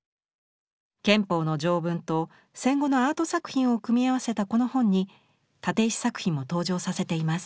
憲法の条文と戦後のアート作品を組み合わせたこの本に立石作品も登場させています。